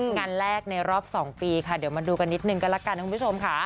งานแรกในรอบ๒ปีค่ะเดี๋ยวมาดูกันนิดนึงก็ละกันคุณผู้ชมค่ะ